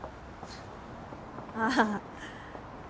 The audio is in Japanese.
ああ。